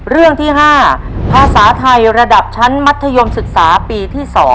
เรื่องที่๕ภาษาไทยระดับชั้นมัธยมศึกษาปีที่๒